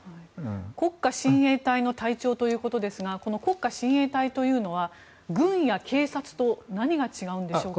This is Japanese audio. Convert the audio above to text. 国家親衛隊の隊長ということですが国家親衛隊というのは軍や警察と何が違うんでしょうか。